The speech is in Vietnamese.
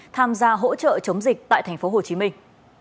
tham gia hỗ trợ chống dịch tại thành phố hồ chí minh